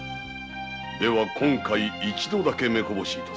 では今回一度だけ目こぼし致す。